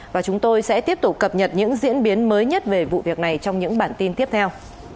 và chúng tôi sẽ tiếp tục cập nhật những diễn biến mới nhất về vụ việc này trong những bản tin tiếp theo